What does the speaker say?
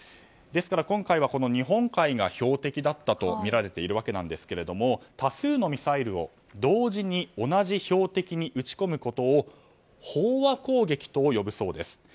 今回は日本海が標的だったとみられているわけですが多数のミサイルを同時に同じ標的に撃ち込むことを飽和攻撃と呼ぶそうです。